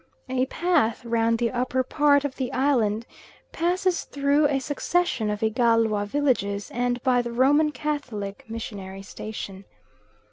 A path round the upper part of the island passes through a succession of Igalwa villages and by the Roman Catholic missionary station.